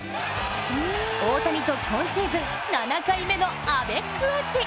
大谷と今シーズン、７回目のアベックアーチ。